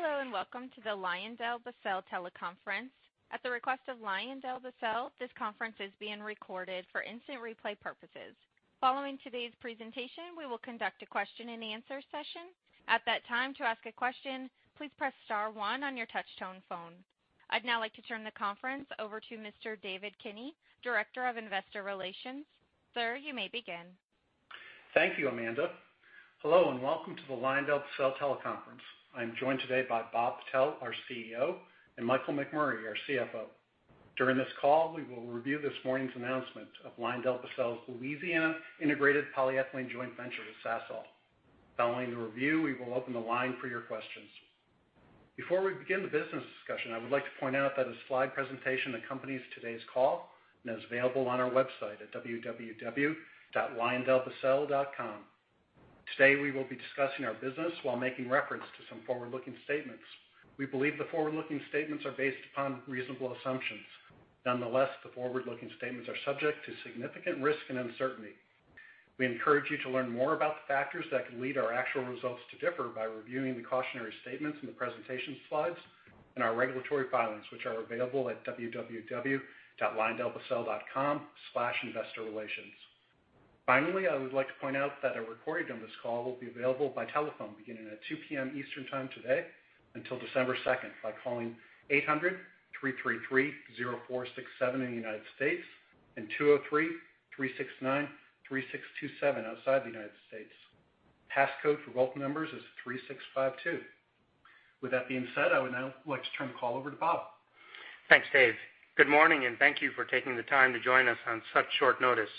Hello, welcome to the LyondellBasell teleconference. At the request of LyondellBasell, this conference is being recorded for instant replay purposes. Following today's presentation, we will conduct a question and answer session. At that time, to ask a question, please press star one on your touch-tone phone. I'd now like to turn the conference over to Mr. David Kinney, Director of Investor Relations. Sir, you may begin. Thank you, Amanda. Hello, welcome to the LyondellBasell teleconference. I'm joined today by Bob Patel, our CEO, and Michael McMurray, our CFO. During this call, we will review this morning's announcement of LyondellBasell's Louisiana integrated polyethylene joint venture with Sasol. Following the review, we will open the line for your questions. Before we begin the business discussion, I would like to point out that a slide presentation accompanies today's call and is available on our website at www.lyondellbasell.com. Today, we will be discussing our business while making reference to some forward-looking statements. We believe the forward-looking statements are based upon reasonable assumptions. Nonetheless, the forward-looking statements are subject to significant risk and uncertainty. We encourage you to learn more about the factors that could lead our actual results to differ by reviewing the cautionary statements in the presentation slides and our regulatory filings, which are available at www.lyondellbasell.com/investorrelations. Finally, I would like to point out that a recording of this call will be available by telephone beginning at 2:00 PM Eastern Time today until December 2nd by calling 800-333-0467 in the U.S. and 203-369-3627 outside the U.S. Passcode for both numbers is 3652. With that being said, I would now like to turn the call over to Bob. Thanks, Dave. Good morning, and thank you for taking the time to join us on such short notice.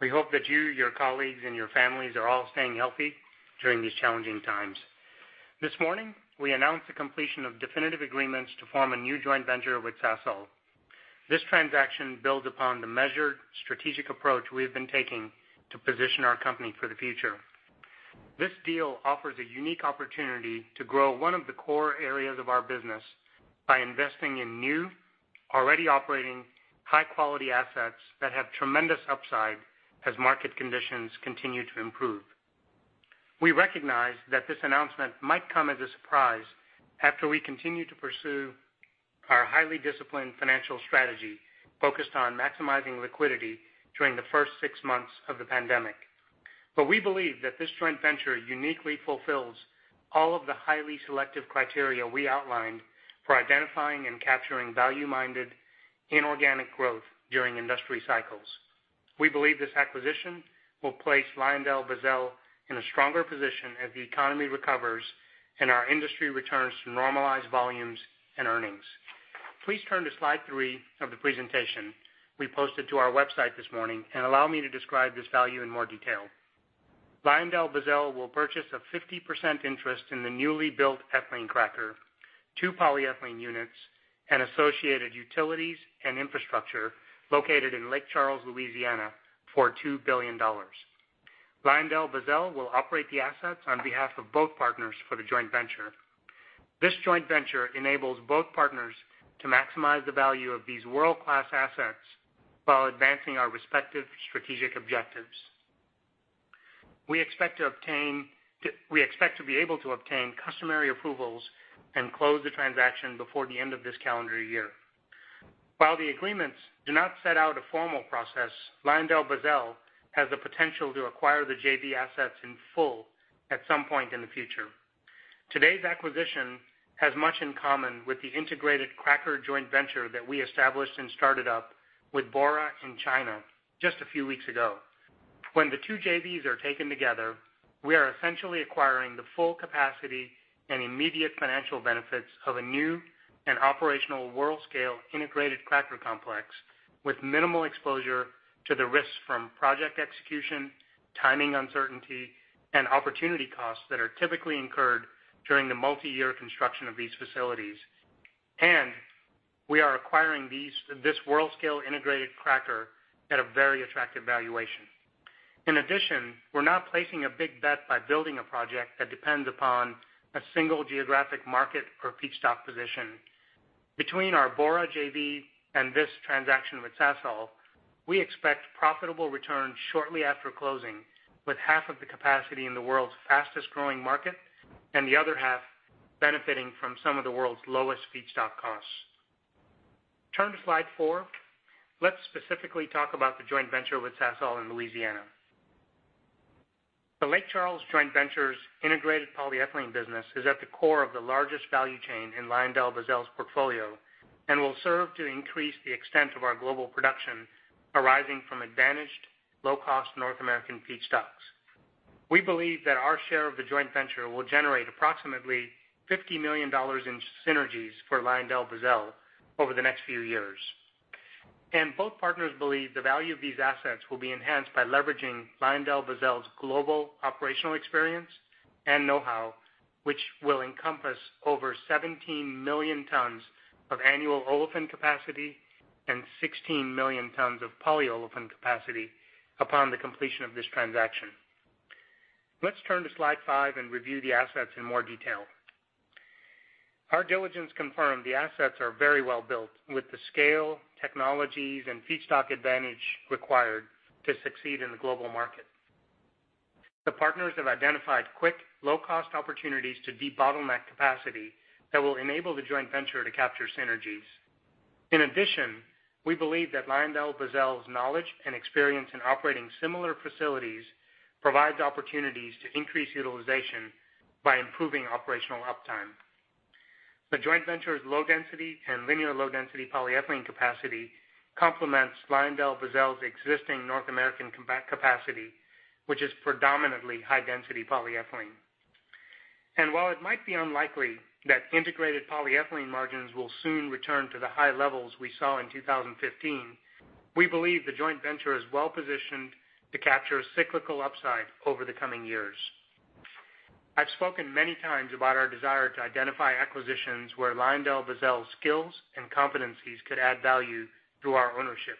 We hope that you, your colleagues, and your families are all staying healthy during these challenging times. This morning, we announced the completion of definitive agreements to form a new joint venture with Sasol. This transaction builds upon the measured strategic approach we have been taking to position our company for the future. This deal offers a unique opportunity to grow one of the core areas of our business by investing in new, already operating high-quality assets that have tremendous upside as market conditions continue to improve. We recognize that this announcement might come as a surprise after we continue to pursue our highly disciplined financial strategy focused on maximizing liquidity during the first six months of the pandemic. We believe that this joint venture uniquely fulfills all of the highly selective criteria we outlined for identifying and capturing value-minded inorganic growth during industry cycles. We believe this acquisition will place LyondellBasell in a stronger position as the economy recovers and our industry returns to normalized volumes and earnings. Please turn to slide three of the presentation we posted to our website this morning and allow me to describe this value in more detail. LyondellBasell will purchase a 50% interest in the newly built ethylene cracker, two polyethylene units, and associated utilities and infrastructure located in Lake Charles, Louisiana for $2 billion. LyondellBasell will operate the assets on behalf of both partners for the joint venture. This joint venture enables both partners to maximize the value of these world-class assets while advancing our respective strategic objectives. We expect to be able to obtain customary approvals and close the transaction before the end of this calendar year. While the agreements do not set out a formal process, LyondellBasell has the potential to acquire the JV assets in full at some point in the future. Today's acquisition has much in common with the integrated cracker joint venture that we established and started up with Bora in China just a few weeks ago. When the two JVs are taken together, we are essentially acquiring the full capacity and immediate financial benefits of a new and operational world scale integrated cracker complex with minimal exposure to the risks from project execution, timing uncertainty, and opportunity costs that are typically incurred during the multi-year construction of these facilities. We are acquiring this world scale integrated cracker at a very attractive valuation. In addition, we're not placing a big bet by building a project that depends upon a single geographic market or feedstock position. Between our Bora JV and this transaction with Sasol, we expect profitable returns shortly after closing, with half of the capacity in the world's fastest-growing market and the other half benefiting from some of the world's lowest feedstock costs. Turn to slide four. Let's specifically talk about the joint venture with Sasol in Louisiana. The Lake Charles joint venture's integrated polyethylene business is at the core of the largest value chain in LyondellBasell's portfolio and will serve to increase the extent of our global production arising from advantaged low-cost North American feedstocks. We believe that our share of the joint venture will generate approximately $50 million in synergies for LyondellBasell over the next few years. Both partners believe the value of these assets will be enhanced by leveraging LyondellBasell's global operational experience and know-how, which will encompass over 17 million tons of annual olefin capacity and 16 million tons of polyolefin capacity upon the completion of this transaction. Let's turn to slide five and review the assets in more detail. Our diligence confirmed the assets are very well built with the scale, technologies, and feedstock advantage required to succeed in the global market. The partners have identified quick, low-cost opportunities to de-bottleneck capacity that will enable the joint venture to capture synergies. In addition, we believe that LyondellBasell's knowledge and experience in operating similar facilities provides opportunities to increase utilization by improving operational uptime. The joint venture's low-density and linear low-density polyethylene capacity complements LyondellBasell's existing North American capacity, which is predominantly high-density polyethylene. While it might be unlikely that integrated polyethylene margins will soon return to the high levels we saw in 2015, we believe the joint venture is well-positioned to capture cyclical upside over the coming years. I've spoken many times about our desire to identify acquisitions where LyondellBasell's skills and competencies could add value through our ownership.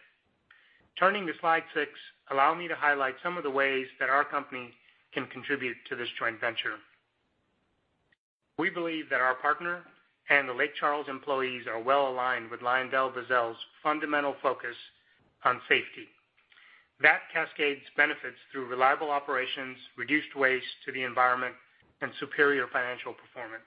Turning to slide six, allow me to highlight some of the ways that our company can contribute to this joint venture. We believe that our partner and the Lake Charles employees are well-aligned with LyondellBasell's fundamental focus on safety. That cascades benefits through reliable operations, reduced waste to the environment, and superior financial performance.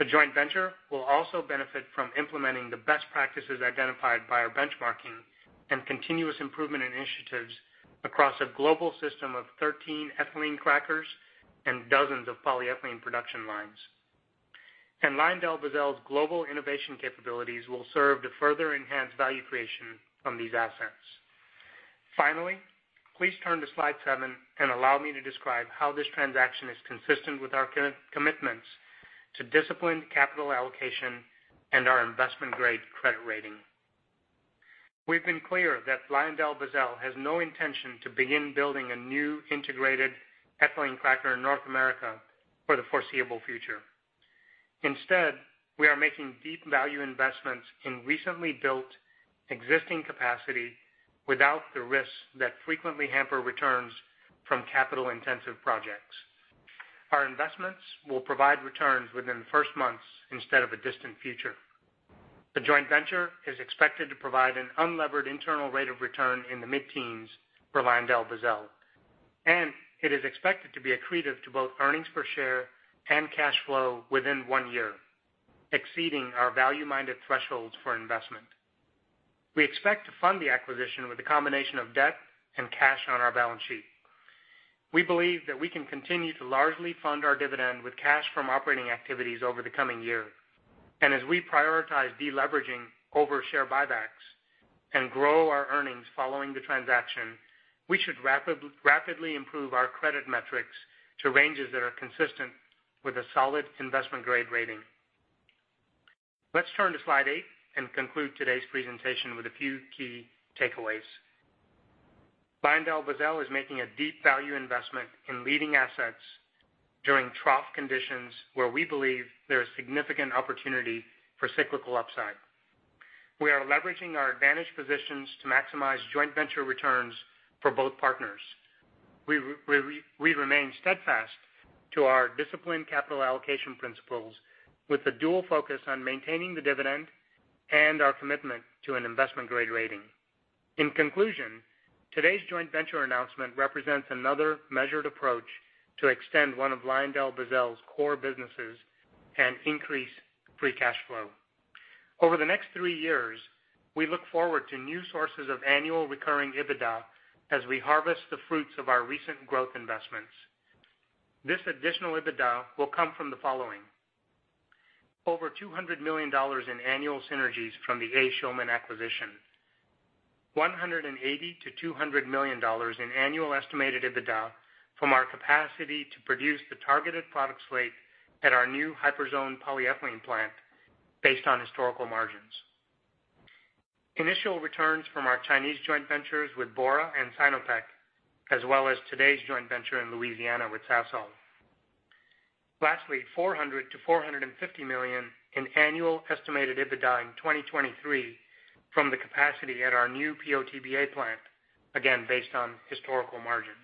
The joint venture will also benefit from implementing the best practices identified by our benchmarking and continuous improvement initiatives across a global system of 13 ethylene crackers and dozens of polyethylene production lines. LyondellBasell's global innovation capabilities will serve to further enhance value creation on these assets. Finally, please turn to slide seven and allow me to describe how this transaction is consistent with our commitments to disciplined capital allocation and our investment-grade credit rating. We've been clear that LyondellBasell has no intention to begin building a new integrated ethylene cracker in North America for the foreseeable future. Instead, we are making deep value investments in recently built existing capacity without the risks that frequently hamper returns from capital-intensive projects. Our investments will provide returns within the first months instead of a distant future. The joint venture is expected to provide an unlevered internal rate of return in the mid-teens for LyondellBasell, and it is expected to be accretive to both earnings per share and cash flow within one year, exceeding our value-minded thresholds for investment. We expect to fund the acquisition with a combination of debt and cash on our balance sheet. We believe that we can continue to largely fund our dividend with cash from operating activities over the coming year. As we prioritize de-leveraging over share buybacks and grow our earnings following the transaction, we should rapidly improve our credit metrics to ranges that are consistent with a solid investment-grade rating. Let's turn to slide eight and conclude today's presentation with a few key takeaways. LyondellBasell is making a deep value investment in leading assets during trough conditions where we believe there is significant opportunity for cyclical upside. We are leveraging our advantaged positions to maximize joint venture returns for both partners. We remain steadfast to our disciplined capital allocation principles with a dual focus on maintaining the dividend and our commitment to an investment-grade rating. In conclusion, today's joint venture announcement represents another measured approach to extend one of LyondellBasell's core businesses and increase free cash flow. Over the next three years, we look forward to new sources of annual recurring EBITDA as we harvest the fruits of our recent growth investments. This additional EBITDA will come from the following: over $200 million in annual synergies from the A. Schulman acquisition, $180 million-$200 million in annual estimated EBITDA from our capacity to produce the targeted product slate at our new Hyperzone polyethylene plant based on historical margins. Initial returns from our Chinese joint ventures with Bora and Sinopec, as well as today's joint venture in Louisiana with Sasol. Lastly, $400 million-$450 million in annual estimated EBITDA in 2023 from the capacity at our new PO/TBA plant, again, based on historical margins.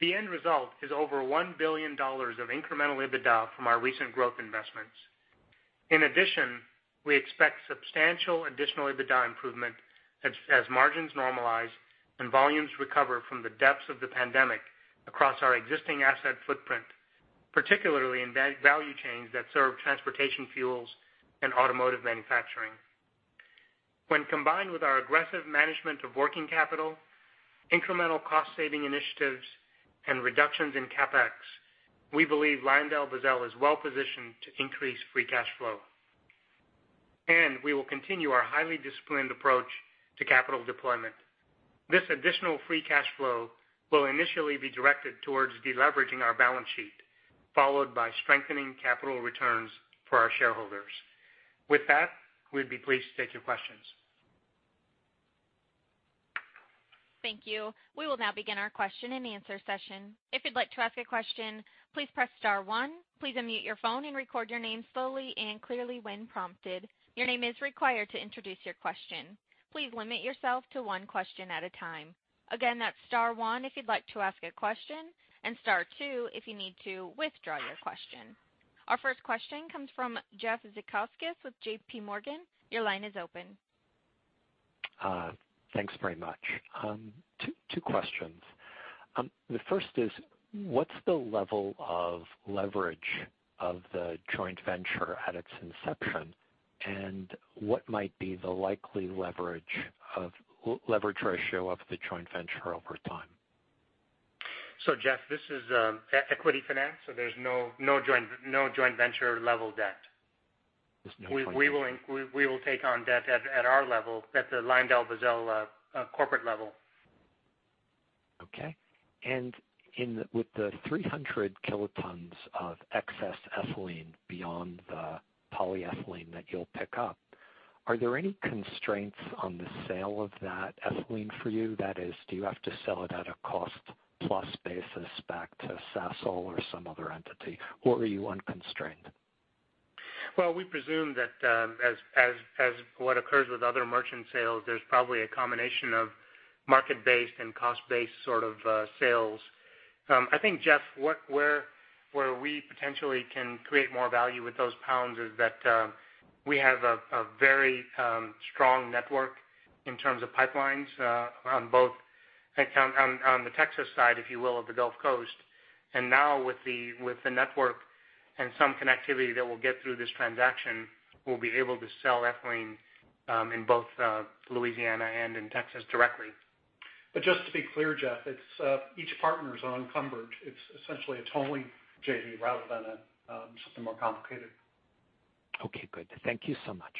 The end result is over $1 billion of incremental EBITDA from our recent growth investments. In addition, we expect substantial additional EBITDA improvement as margins normalize and volumes recover from the depths of the pandemic across our existing asset footprint, particularly in value chains that serve transportation fuels and automotive manufacturing. When combined with our aggressive management of working capital, incremental cost-saving initiatives, and reductions in CapEx, we believe LyondellBasell is well-positioned to increase free cash flow. We will continue our highly disciplined approach to capital deployment. This additional free cash flow will initially be directed towards de-leveraging our balance sheet, followed by strengthening capital returns for our shareholders. With that, we'd be pleased to take your questions. Thank you. We will now begin our question and answer session. If you'd like to ask a question, please press star one. Please unmute your phone and record your name slowly and clearly when prompted. Your name is required to introduce your question. Please limit yourself to one question at a time. Again, that's star one if you'd like to ask a question, and star two if you need to withdraw your question. Our first question comes from Jeffrey Zekauskas with J.P. Morgan. Your line is open. Thanks very much. Two questions. The first is, what's the level of leverage of the joint venture at its inception, and what might be the likely leverage ratio of the joint venture over time? Jeff, this is equity finance, so there's no joint venture level debt. There's no joint venture. We will take on debt at our level, at the LyondellBasell corporate level. Okay. With the 300 kilotons of excess ethylene beyond the polyethylene that you'll pick up, are there any constraints on the sale of that ethylene for you? That is, do you have to sell it at a cost plus basis back to Sasol or some other entity? Or are you unconstrained? Well, we presume that, as what occurs with other merchant sales, there's probably a combination of market-based and cost-based sort of sales. I think, Jeff, where we potentially can create more value with those pounds is that we have a very strong network in terms of pipelines on the Texas side, if you will, of the Gulf Coast. Now with the network and some connectivity that we'll get through this transaction, we'll be able to sell ethylene in both Louisiana and in Texas directly. Just to be clear, Jeff, each partner's unencumbered. It's essentially a tolling JV rather than something more complicated. Okay, good. Thank you so much.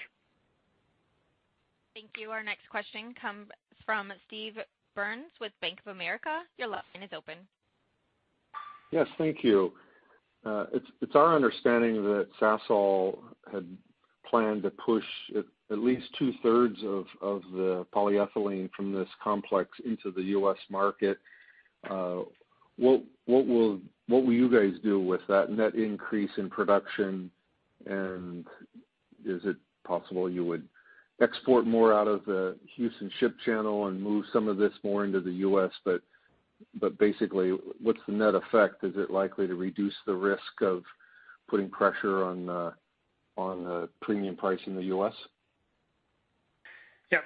Thank you. Our next question comes from Steve Byrne with Bank of America. Your line is open. Yes, thank you. It's our understanding that Sasol had planned to push at least two-thirds of the polyethylene from this complex into the U.S. market. What will you guys do with that net increase in production? Is it possible you would export more out of the Houston ship channel and move some of this more into the U.S.? Basically, what's the net effect? Is it likely to reduce the risk of putting pressure on the premium price in the U.S.? Yeah.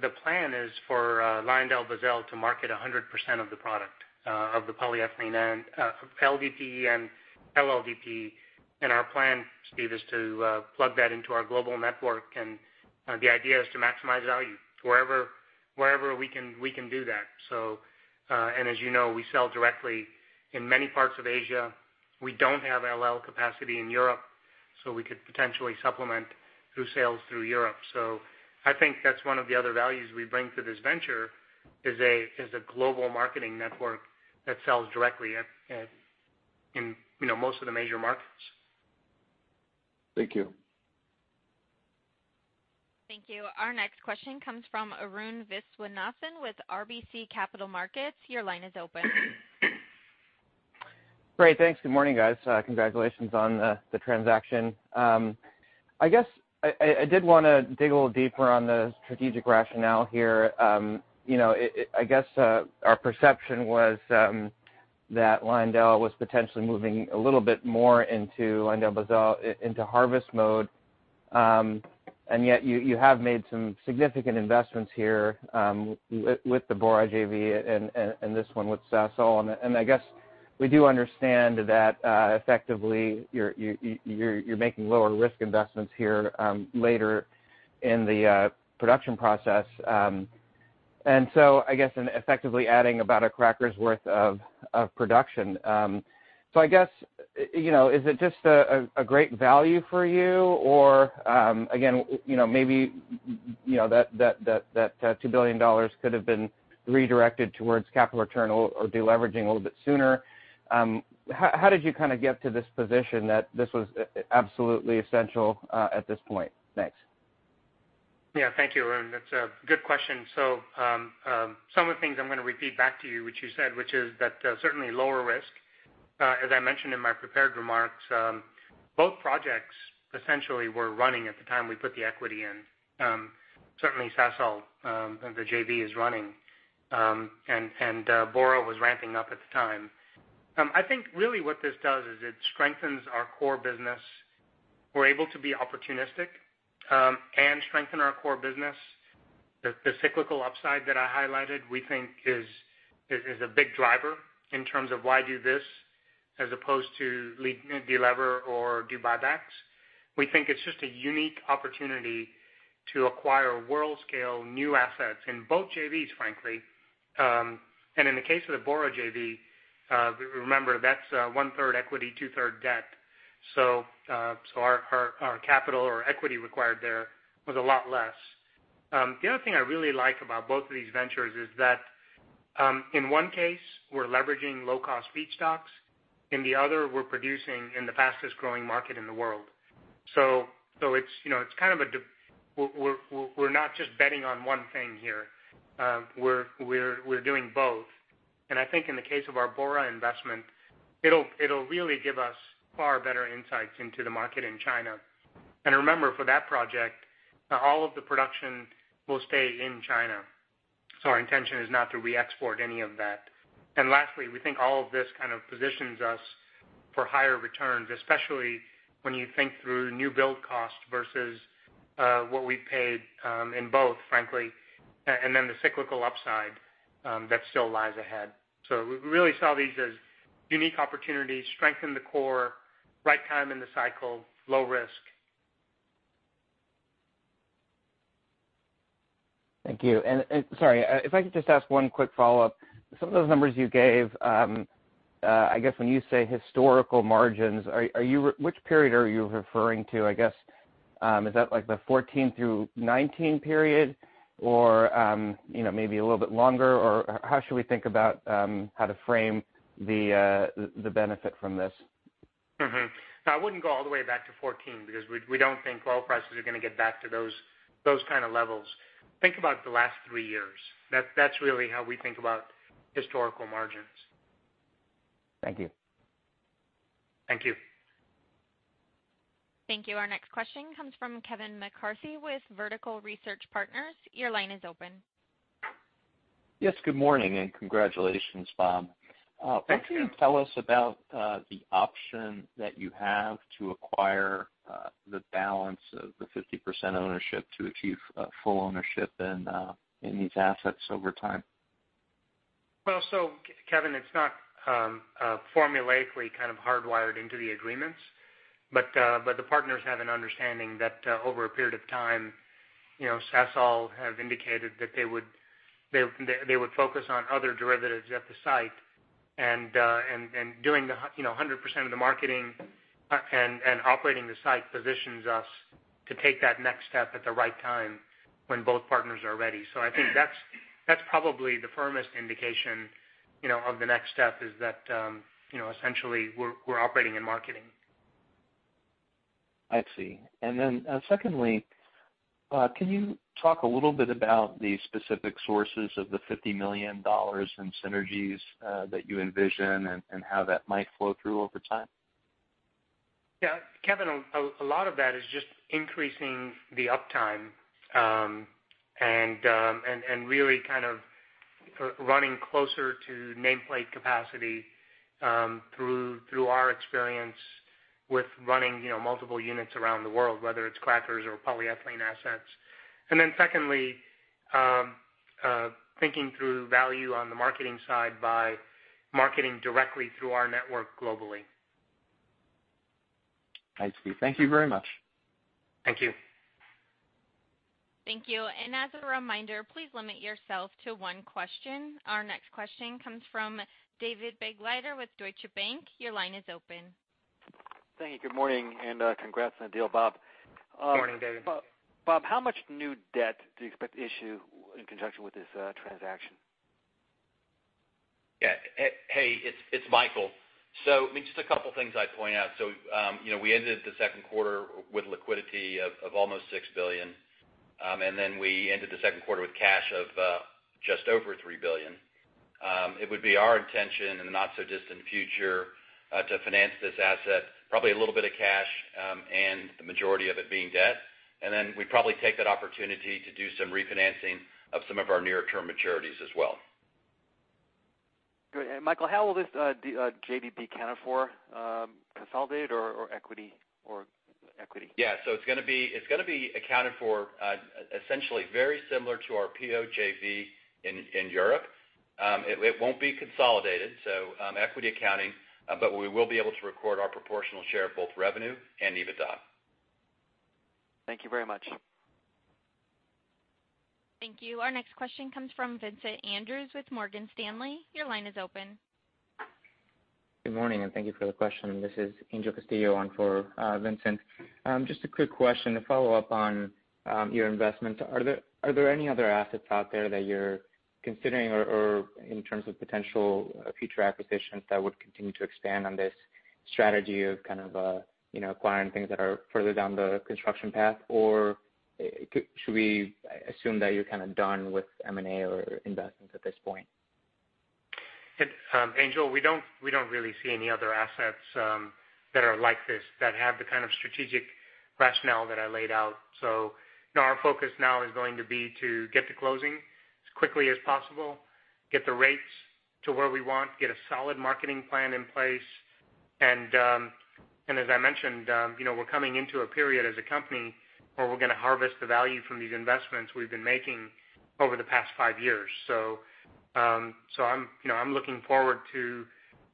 The plan is for LyondellBasell to market 100% of the product of the polyethylene and LDPE and LLDPE. Our plan, Steve, is to plug that into our global network. The idea is to maximize value wherever we can do that. As you know, we sell directly in many parts of Asia. We don't have LL capacity in Europe, so we could potentially supplement through sales through Europe. I think that's one of the other values we bring to this venture is a global marketing network that sells directly in most of the major markets. Thank you. Thank you. Our next question comes from Arun Viswanathan with RBC Capital Markets. Your line is open. Great. Thanks. Good morning, guys. Congratulations on the transaction. I did want to dig a little deeper on the strategic rationale here. I guess our perception was that Lyondell was potentially moving a little bit more into LyondellBasell into harvest mode, and yet you have made some significant investments here, with the Bora JV and this one with Sasol. I guess we do understand that effectively you're making lower risk investments here later in the production process, and effectively adding about a cracker's worth of production. I guess, is it just a great value for you or, again, maybe that $2 billion could have been redirected towards capital return or de-leveraging a little bit sooner. How did you kind of get to this position that this was absolutely essential at this point? Thanks. Yeah, thank you, Arun. That's a good question. Some of the things I'm going to repeat back to you, which you said, which is that certainly lower risk. As I mentioned in my prepared remarks, both projects essentially were running at the time we put the equity in. Certainly Sasol, the JV is running. Bora was ramping up at the time. I think really what this does is it strengthens our core business. We're able to be opportunistic, and strengthen our core business. The cyclical upside that I highlighted, we think is a big driver in terms of why do this as opposed to de-lever or do buybacks. We think it's just a unique opportunity to acquire world-scale new assets in both JVs, frankly. In the case of the Bora JV, remember that's one-third equity, two-thirds debt. Our capital or equity required there was a lot less. The other thing I really like about both of these ventures is that, in one case, we're leveraging low-cost feedstocks. In the other, we're producing in the fastest-growing market in the world. We're not just betting on one thing here. We're doing both. I think in the case of our Bora investment, it'll really give us far better insights into the market in China. Remember, for that project, all of the production will stay in China. Our intention is not to re-export any of that. Lastly, we think all of this kind of positions us for higher returns, especially when you think through new build cost versus what we paid in both, frankly, and then the cyclical upside that still lies ahead. We really saw these as unique opportunities, strengthen the core, right time in the cycle, low risk. Thank you. Sorry, if I could just ask one quick follow-up. Some of those numbers you gave, I guess when you say historical margins, which period are you referring to? I guess, is that like the 2014 through 2019 period or maybe a little bit longer, or how should we think about how to frame the benefit from this? I wouldn't go all the way back to 2014 because we don't think oil prices are going to get back to those kind of levels. Think about the last three years. That's really how we think about historical margins. Thank you. Thank you. Thank you. Our next question comes from Kevin McCarthy with Vertical Research Partners. Your line is open. Yes, good morning and congratulations, Bob. Thanks, Kevin. Could you tell us about the option that you have to acquire the balance of the 50% ownership to achieve full ownership in these assets over time? Kevin, it's not formulaically kind of hardwired into the agreements. The partners have an understanding that over a period of time, Sasol have indicated that they would focus on other derivatives at the site and doing 100% of the marketing and operating the site positions us to take that next step at the right time when both partners are ready. I think that's probably the firmest indication of the next step is that essentially we're operating and marketing. I see. Secondly, can you talk a little bit about the specific sources of the $50 million in synergies that you envision and how that might flow through over time? Kevin, a lot of that is just increasing the uptime, and really kind of running closer to nameplate capacity through our experience with running multiple units around the world, whether it's crackers or polyethylene assets. Secondly, thinking through value on the marketing side by marketing directly through our network globally. I see. Thank you very much. Thank you. Thank you. As a reminder, please limit yourself to one question. Our next question comes from David Begleiter with Deutsche Bank. Your line is open. Thank you. Good morning, and congrats on the deal, Bob. Morning, David. Bob, how much new debt do you expect to issue in conjunction with this transaction? Hey, it's Michael. Just a couple of things I'd point out. We ended the second quarter with liquidity of almost $6 billion, we ended the second quarter with cash of just over $3 billion. It would be our intention in the not so distant future to finance this asset, probably a little bit of cash, and the majority of it being debt. We'd probably take that opportunity to do some refinancing of some of our near-term maturities as well. Good. Michael, how will this JV count for, consolidated or equity? Yeah. It's going to be accounted for essentially very similar to our PO/JV in Europe. It won't be consolidated, so equity accounting, but we will be able to record our proportional share of both revenue and EBITDA. Thank you very much. Thank you. Our next question comes from Vincent Andrews with Morgan Stanley. Your line is open. Good morning. Thank you for the question. This is Angel Castillo on for Vincent. Just a quick question to follow up on your investments. Are there any other assets out there that you're considering or in terms of potential future acquisitions that would continue to expand on this strategy of kind of acquiring things that are further down the construction path? Should we assume that you're kind of done with M&A or investments at this point? Angel, we don't really see any other assets that are like this that have the kind of strategic rationale that I laid out. Our focus now is going to be to get to closing as quickly as possible, get the rates to where we want, get a solid marketing plan in place, and as I mentioned, we're coming into a period as a company where we're going to harvest the value from these investments we've been making over the past five years. I'm looking forward to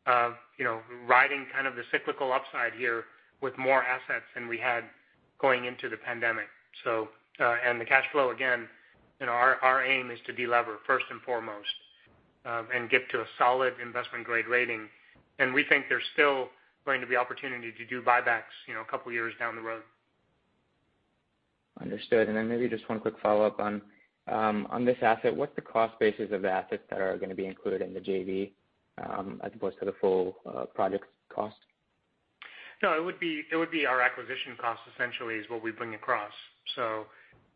riding kind of the cyclical upside here with more assets than we had going into the pandemic. The cash flow, again, our aim is to delever first and foremost, and get to a solid investment-grade rating. We think there's still going to be opportunity to do buybacks a couple of years down the road. Understood. Maybe just one quick follow-up on this asset. What's the cost basis of the assets that are going to be included in the JV, as opposed to the full project cost? No, it would be our acquisition cost essentially is what we bring across.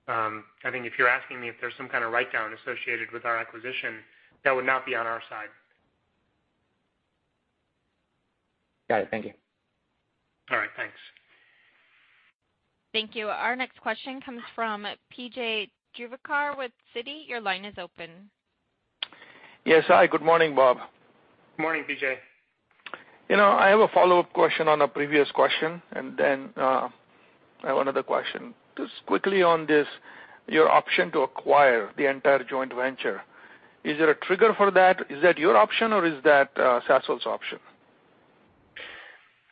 I think if you're asking me if there's some kind of write-down associated with our acquisition, that would not be on our side. Got it. Thank you. Thank you. Our next question comes from P.J. Juvekar with Citi. Your line is open. Yes. Hi, good morning, Bob. Morning, P.J. I have a follow-up question on a previous question, and then I have another question. Just quickly on this, your option to acquire the entire joint venture. Is there a trigger for that? Is that your option or is that Sasol's option?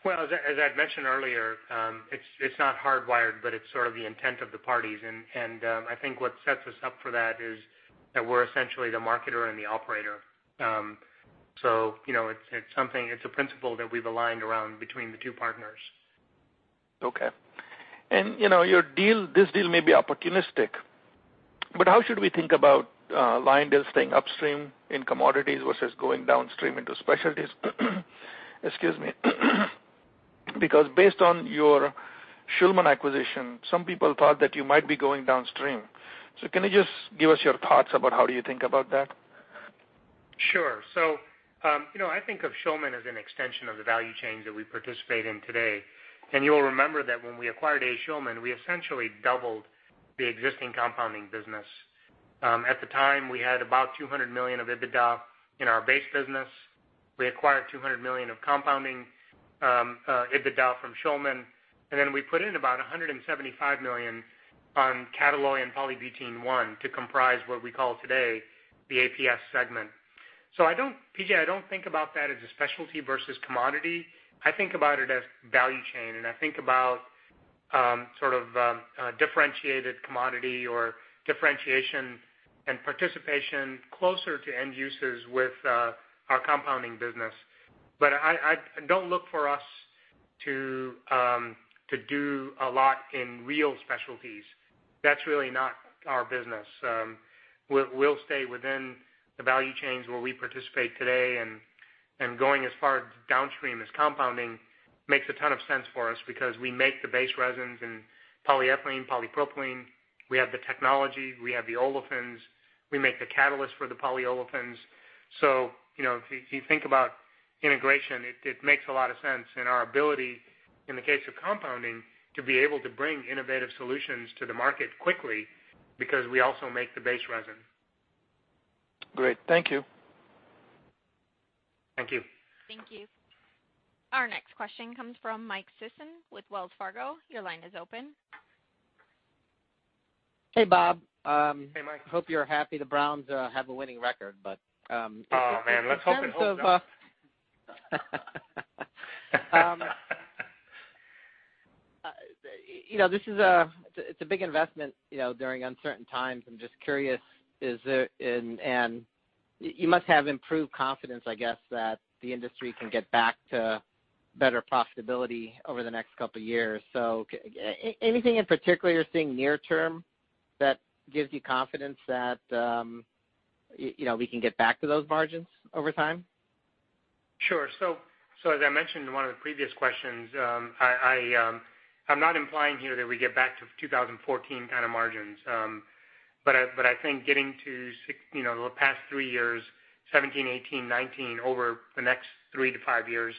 Well, as I'd mentioned earlier, it's not hardwired, but it's sort of the intent of the parties. I think what sets us up for that is that we're essentially the marketer and the operator. It's a principle that we've aligned around between the two partners. Okay. Your deal, this deal may be opportunistic, but how should we think about Lyondell staying upstream in commodities versus going downstream into specialties? Excuse me. Based on your Schulman acquisition, some people thought that you might be going downstream. Can you just give us your thoughts about how you think about that? Sure. I think of Schulman as an extension of the value chain that we participate in today. You'll remember that when we acquired A. Schulman, we essentially doubled the existing compounding business. At the time, we had about $200 million of EBITDA in our base business. We acquired $200 million of compounding EBITDA from Schulman, we put in about $175 million on Catalloy and polybutene-1 to comprise what we call today the APS segment. P.J., I don't think about that as a specialty versus commodity. I think about it as value chain, I think about sort of differentiated commodity or differentiation and participation closer to end users with our compounding business. Don't look for us to do a lot in real specialties. That's really not our business. We'll stay within the value chains where we participate today, going as far downstream as compounding makes a ton of sense for us because we make the base resins and polyethylene, polypropylene. We have the technology, we have the olefins, we make the catalyst for the polyolefins. If you think about integration, it makes a lot of sense in our ability, in the case of compounding, to be able to bring innovative solutions to the market quickly because we also make the base resin. Great. Thank you. Thank you. Thank you. Our next question comes from Michael Sison with Wells Fargo. Your line is open. Hey, Bob. Hey, Mike. Hope you're happy the Browns have a winning record. Oh, man. Let's hope. It's a big investment during uncertain times. I'm just curious, you must have improved confidence, I guess, that the industry can get back to better profitability over the next couple of years. Anything in particular you're seeing near term that gives you confidence that we can get back to those margins over time? Sure. As I mentioned in one of the previous questions, I'm not implying here that we get back to 2014 kind of margins. I think getting to the past three years, 2017, 2018, 2019, over the next three to five years,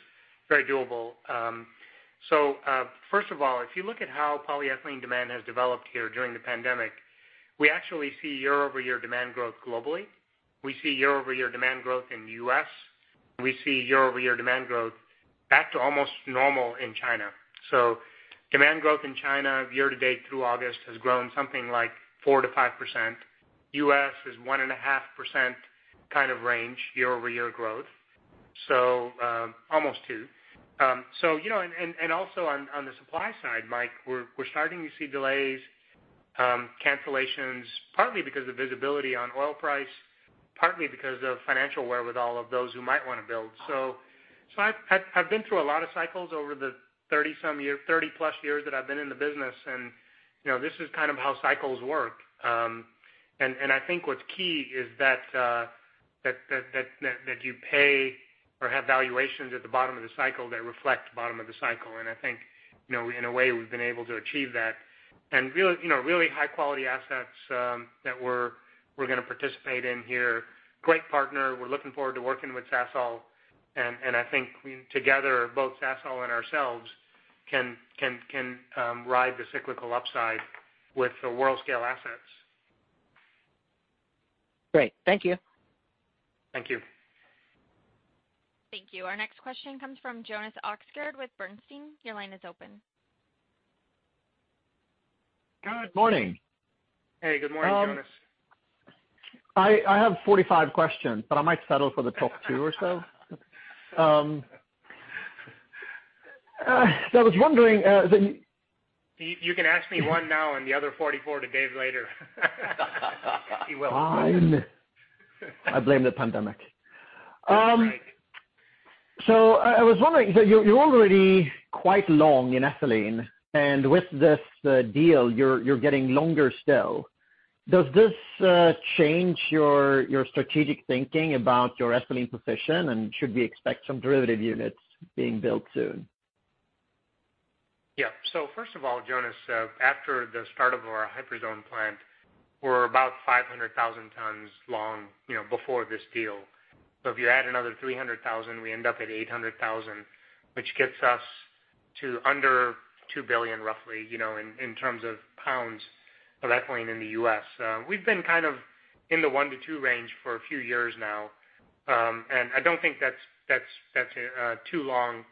very doable. First of all, if you look at how polyethylene demand has developed here during the pandemic, we actually see year-over-year demand growth globally. We see year-over-year demand growth in the U.S. We see year-over-year demand growth back to almost normal in China. Demand growth in China year to date through August has grown something like 4%-5%. U.S. is 1.5% kind of range year-over-year growth. Almost two. Also on the supply side, Mike, we're starting to see delays, cancellations, partly because of visibility on oil price, partly because of financial wherewithal of those who might want to build. I've been through a lot of cycles over the 30 plus years that I've been in the business, and this is kind of how cycles work. I think what's key is that you pay or have valuations at the bottom of the cycle that reflect bottom of the cycle. I think, in a way, we've been able to achieve that. Really high quality assets that we're going to participate in here. Great partner. We're looking forward to working with Sasol, and I think together, both Sasol and ourselves can ride the cyclical upside with the world scale assets. Great. Thank you. Thank you. Thank you. Our next question comes from Jonas Oxgaard with Bernstein. Your line is open. Good morning. Hey, good morning, Jonas. I have 45 questions, but I might settle for the top two or so. You can ask me one now and the other 44 to Dave later. Fine. I blame the pandemic. That's right. I was wondering, so you're already quite long in ethylene, and with this deal, you're getting longer still. Does this change your strategic thinking about your ethylene position, and should we expect some derivative units being built soon? First of all, Jonas, after the start of our Hyperzone plant. We're about 500,000 tons long before this deal. If you add another 300,000, we end up at 800,000, which gets us to under $2 billion roughly, in terms of pounds of ethylene in the U.S. We've been kind of in the one to two range for a few years now. I don't think that's too long.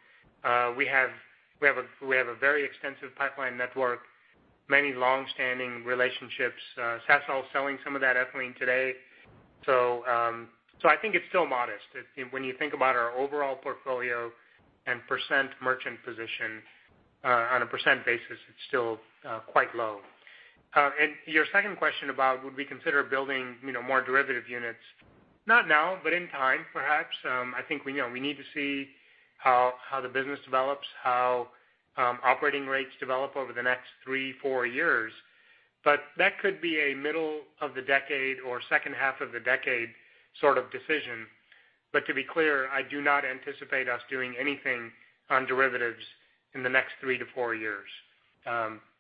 We have a very extensive pipeline network, many longstanding relationships. Sasol is selling some of that ethylene today. I think it's still modest. When you think about our overall portfolio and % merchant position, on a % basis, it's still quite low. Your second question about would we consider building more derivative units? Not now, but in time, perhaps. I think we need to see how the business develops, how operating rates develop over the next three, four years. That could be a middle of the decade or second half of the decade sort of decision. To be clear, I do not anticipate us doing anything on derivatives in the next three to four years.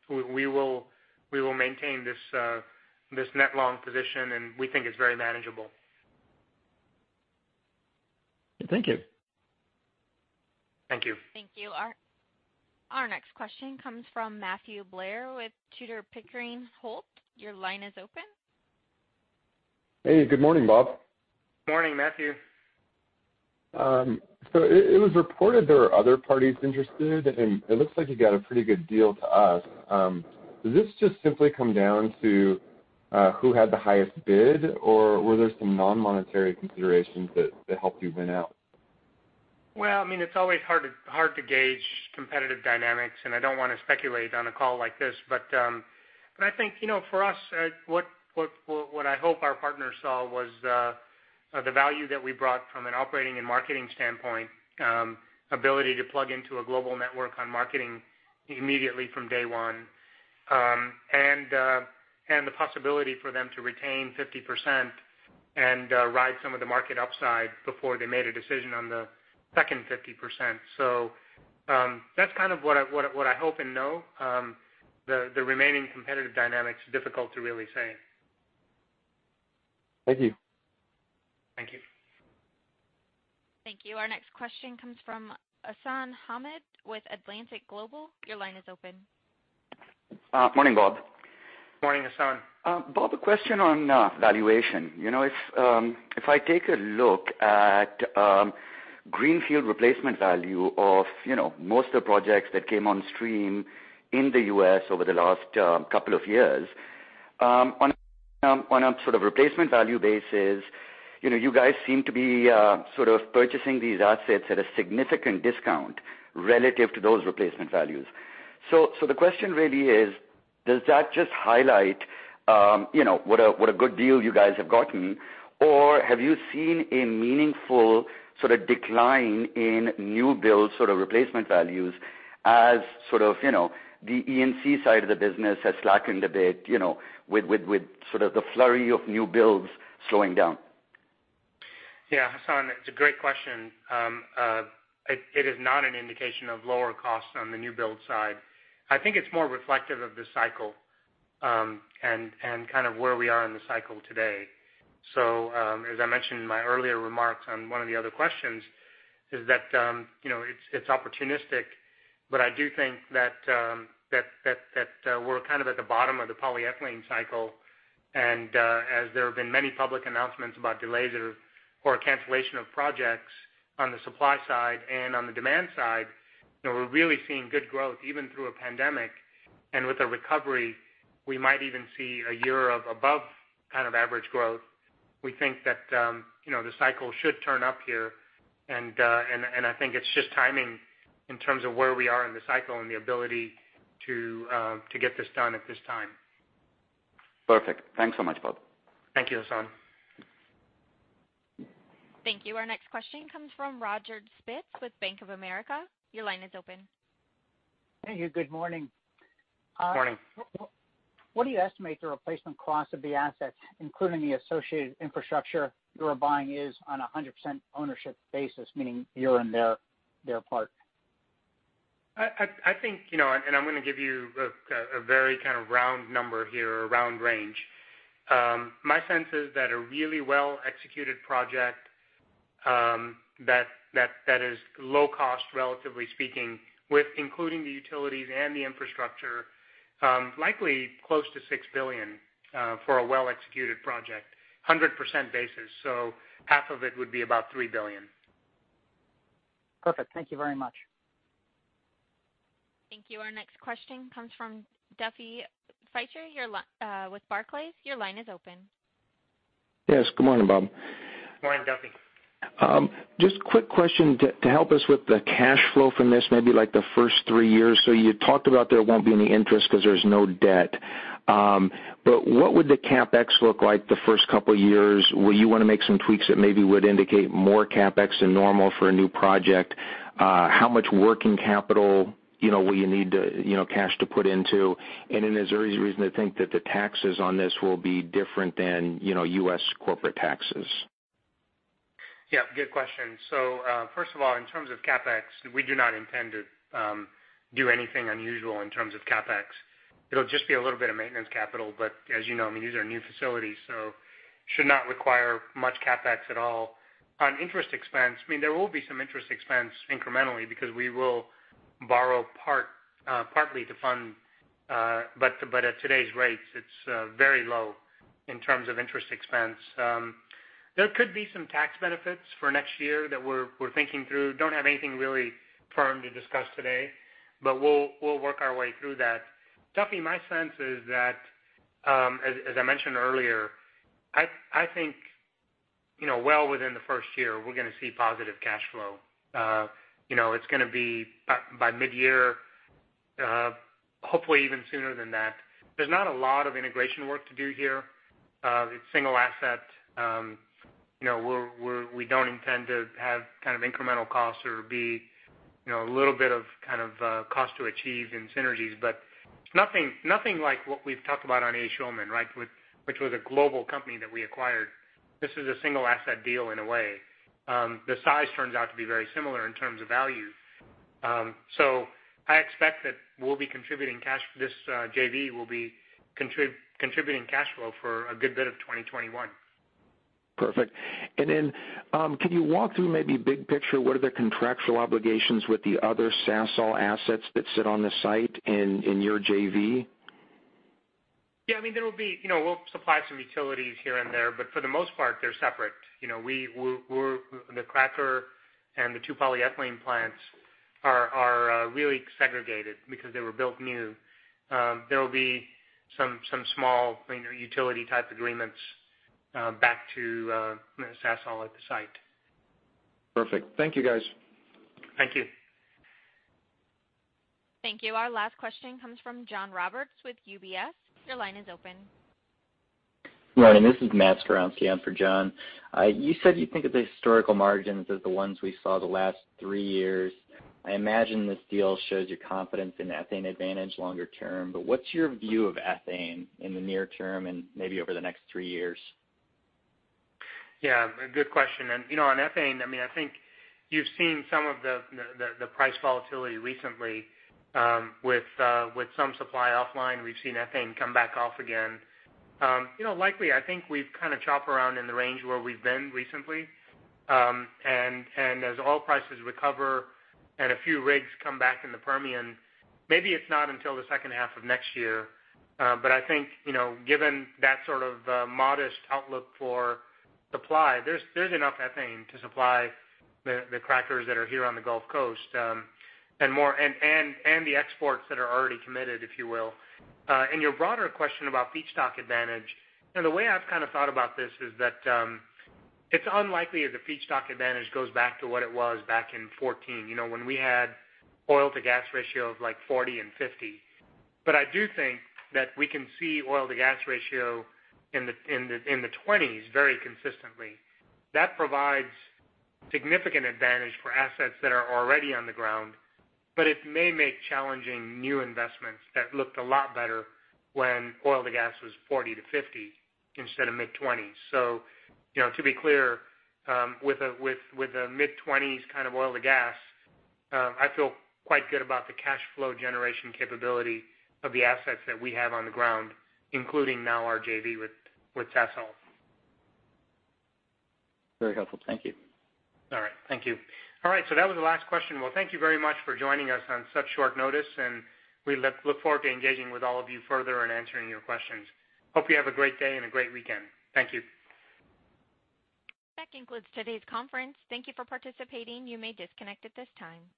We will maintain this net long position, and we think it's very manageable. Thank you. Thank you. Thank you. Our next question comes from Matthew Blair with Tudor, Pickering, Holt. Your line is open. Hey, good morning, Bob. Morning, Matthew. It was reported there were other parties interested, and it looks like you got a pretty good deal to us. Does this just simply come down to who had the highest bid? Or were there some non-monetary considerations that helped you win out? Well, it's always hard to gauge competitive dynamics, and I don't want to speculate on a call like this. I think, for us, what I hope our partners saw was the value that we brought from an operating and marketing standpoint, ability to plug into a global network on marketing immediately from day one. The possibility for them to retain 50% and ride some of the market upside before they made a decision on the second 50%. That's kind of what I hope and know. The remaining competitive dynamic's difficult to really say. Thank you. Thank you. Thank you. Our next question comes from Hassan Ahmed with Alembic Global. Your line is open. Morning, Bob. Morning, Hassan. Bob, a question on valuation. If I take a look at greenfield replacement value of most of the projects that came on stream in the U.S. over the last couple of years. On a sort of replacement value basis, you guys seem to be sort of purchasing these assets at a significant discount relative to those replacement values. The question really is, does that just highlight what a good deal you guys have gotten? Or have you seen a meaningful sort of decline in new build replacement values as sort of the E&C side of the business has slackened a bit, with sort of the flurry of new builds slowing down? Yeah, Hassan, it's a great question. It is not an indication of lower costs on the new build side. I think it's more reflective of the cycle, and kind of where we are in the cycle today. As I mentioned in my earlier remarks on one of the other questions, is that it's opportunistic, but I do think that we're kind of at the bottom of the polyethylene cycle. As there have been many public announcements about delays or cancellation of projects on the supply side and on the demand side, we're really seeing good growth even through a pandemic. With a recovery, we might even see a year of above kind of average growth. We think that the cycle should turn up here. I think it's just timing in terms of where we are in the cycle and the ability to get this done at this time. Perfect. Thanks so much, Bob. Thank you, Hassan. Thank you. Our next question comes from Roger Spitz with Bank of America. Your line is open. Thank you. Good morning. Morning. What do you estimate the replacement cost of the assets, including the associated infrastructure you are buying is on 100% ownership basis, meaning your and their part? I think, I'm gonna give you a very kind of round number here or round range. My sense is that a really well-executed project that is low cost, relatively speaking with including the utilities and the infrastructure, likely close to $6 billion for a well-executed project, 100% basis. Half of it would be about $3 billion. Perfect. Thank you very much. Thank you. Our next question comes from Duffy Fischer with Barclays. Your line is open. Yes. Good morning, Bob. Morning, Duffy. Quick question to help us with the cash flow from this, maybe like the first three years. You talked about there won't be any interest because there's no debt. What would the CapEx look like the first couple of years? Will you want to make some tweaks that maybe would indicate more CapEx than normal for a new project? How much working capital will you need cash to put into? Is there any reason to think that the taxes on this will be different than U.S. corporate taxes? Yeah, good question. First of all, in terms of CapEx, we do not intend to do anything unusual in terms of CapEx. It'll just be a little bit of maintenance capital, but as you know, these are new facilities, so should not require much CapEx at all. On interest expense, there will be some interest expense incrementally because we will borrow partly to fund, but at today's rates, it's very low in terms of interest expense. There could be some tax benefits for next year that we're thinking through. Don't have anything really firm to discuss today, but we'll work our way through that. Duffy, my sense is that, as I mentioned earlier, I think, well within the first year, we're going to see positive cash flow. It's going to be by mid-year, hopefully even sooner than that. There's not a lot of integration work to do here. It's single asset. We don't intend to have kind of incremental costs or be a little bit of cost to achieve in synergies. It's nothing like what we've talked about on A. Schulman, which was a global company that we acquired. This is a single asset deal in a way. The size turns out to be very similar in terms of value. I expect that this JV will be contributing cash flow for a good bit of 2021. Perfect. Then, can you walk through maybe big picture, what are the contractual obligations with the other Sasol assets that sit on the site in your JV? We'll supply some utilities here and there, but for the most part, they're separate. The cracker and the two polyethylene plants are really segregated because they were built new. There'll be some small utility type agreements back to Sasol at the site. Perfect. Thank you, guys. Thank you. Thank you. Our last question comes from John Roberts with UBS. Your line is open. Morning, this is Matthew Skowronski on for John. You said you think of the historical margins as the ones we saw the last three years. I imagine this deal shows your confidence in ethane advantage longer term, but what's your view of ethane in the near term and maybe over the next three years? Yeah. Good question. On ethane, I think you've seen some of the price volatility recently, with some supply offline. We've seen ethane come back off again. Likely, I think we've kind of chop around in the range where we've been recently. As oil prices recover and a few rigs come back in the Permian, maybe it's not until the second half of next year. I think, given that sort of modest outlook for supply, there's enough ethane to supply the crackers that are here on the Gulf Coast, and the exports that are already committed, if you will. Your broader question about feedstock advantage, the way I've kind of thought about this is that it's unlikely that the feedstock advantage goes back to what it was back in 2014, when we had oil-to-gas ratio of like 40 and 50. I do think that we can see oil-to-gas ratio in the 20s very consistently. That provides significant advantage for assets that are already on the ground, but it may make challenging new investments that looked a lot better when oil-to-gas was 40-50 instead of mid-20s. To be clear, with a mid-20s kind of oil-to-gas, I feel quite good about the cash flow generation capability of the assets that we have on the ground, including now our JV with Sasol. Very helpful. Thank you. All right. Thank you. All right, that was the last question. Well, thank you very much for joining us on such short notice, and we look forward to engaging with all of you further and answering your questions. Hope you have a great day and a great weekend. Thank you. That concludes today's conference. Thank you for participating. You may disconnect at this time.